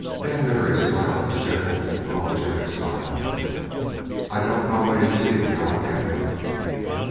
Dan Barry smiled his gentle, apologetic smile. "I don't no ways see how I can, Buck."